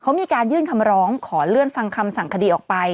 เขามีการยื่นคำร้องขอเลื่อนฟังคำสั่งคดีออกไป